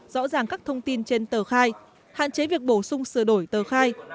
rõ ràng các thông tin trên tờ khai hạn chế việc bổ sung sửa đổi tờ khai